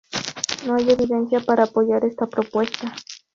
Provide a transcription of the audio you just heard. No hay evidencia para apoyar esta propuesta.